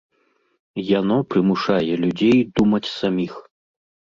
Яно прымушае людзей думаць саміх.